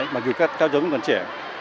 mặc dù các cháu vẫn còn trẻ